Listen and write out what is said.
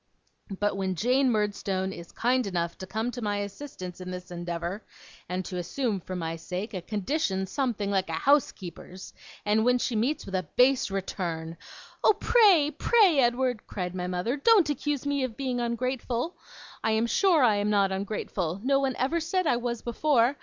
But when Jane Murdstone is kind enough to come to my assistance in this endeavour, and to assume, for my sake, a condition something like a housekeeper's, and when she meets with a base return ' 'Oh, pray, pray, Edward,' cried my mother, 'don't accuse me of being ungrateful. I am sure I am not ungrateful. No one ever said I was before.